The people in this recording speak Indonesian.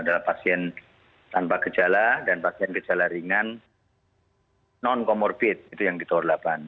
dan pasien tanpa gejala dan pasien gejala ringan non komorbid itu yang di tower delapan